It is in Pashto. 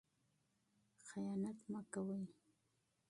خیانت مه کوئ.